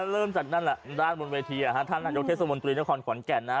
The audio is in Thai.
เริ่มจากนั่นแหละด้านบนเวทีท่านนายกเทศมนตรีนครขอนแก่นนะ